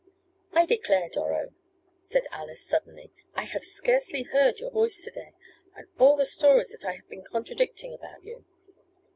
"I declare, Doro," said Alice suddenly. "I have scarcely heard your voice to day. And all the stories that I have been contradicting about you.